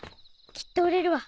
きっと売れるわ。